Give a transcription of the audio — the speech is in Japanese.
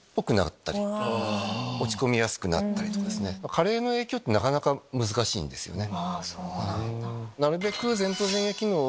加齢の影響ってなかなか難しいんですよね。